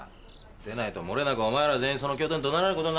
でないともれなくお前ら全員その教頭にどなられることになるぞ。